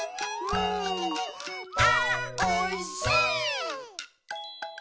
「あーおいしい」